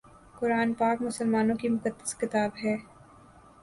قرآن پاک مسلمانوں کی مقدس کتاب ہے